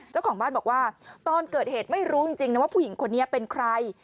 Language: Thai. เจ้าของบ้านบอกว่าตอนเกิดเหตุไม่รู้จริงนะว่าผู้หญิงคนนี้เป็นใคร